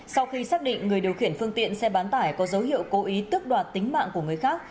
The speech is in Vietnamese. sau khi xác định người điều khiển phương tiện xe bán tải có dấu hiệu cố ý tước đoạt tính mạng của người khác